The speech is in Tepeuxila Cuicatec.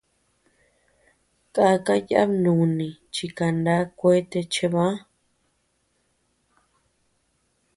Kàka yàba núni chi kaná kuete cheʼebä.